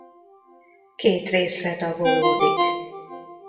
Két részre tagolódik.